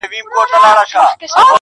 چا چې وې رڼا به د چـــا څۀ اوکــړي